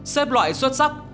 xếp loại xuất sắc